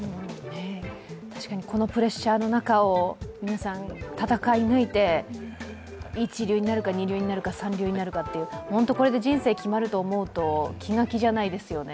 確かに、このプレッシャーの中を皆さん、戦い抜いて一流になるか二流になるか三流になるかっていう本当、これで、人生決まると思うと、気が気じゃないですよね。